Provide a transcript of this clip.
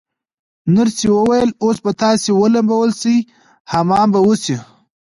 نرسې وویل: اوس به تاسي ولمبول شئ، حمام به وشی.